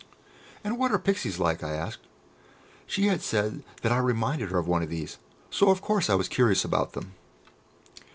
"And what are Pixies like?" I asked. She had said that I reminded her of one of these, so of course I was curious about them.